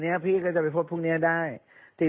เพราะว่าตอนแรกมีการพูดถึงนิติกรคือฝ่ายกฎหมาย